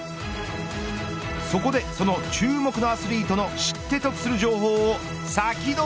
そこでその注目のアスリートの知って得する情報をサキドリ！